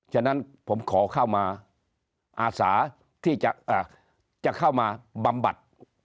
ฉะนั้นผมขอเข้ามาอาสาที่จะเข้ามาบำบัด